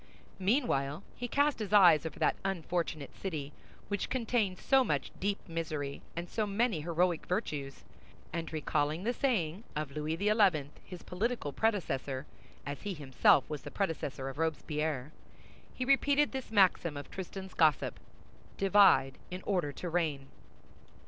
Meanwhile, he cast his eyes over that unfortunate city, which contained so much deep misery and so many heroic virtues, and recalling the saying of Louis XI., his political predecessor, as he himself was the predecessor of Robespierre, he repeated this maxim of Tristan's gossip: "Divide in order to reign."